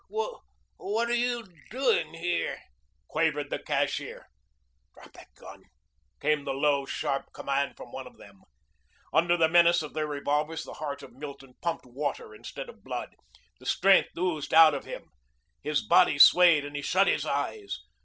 "W what are you doing here?" quavered the cashier. "Drop that gun," came the low, sharp command from one of them. Under the menace of their revolvers the heart of Milton pumped water instead of blood. The strength oozed out of him. His body swayed and he shut his eyes.